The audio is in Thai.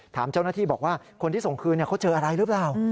ถามเจ้าหน้าที่บอกว่าคนที่ส่งคืนเขาเจออะไรหรือเปล่า